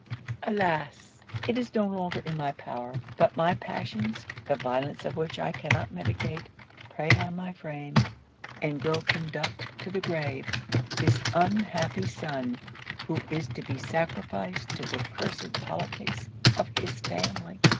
Alas! it is no longer in my power. But my passions, the violence of which I cannot mitigate, prey on my frame, and will conduct to the grave, this unhappy son, who is to be sacrificed to the cursed politics of his family.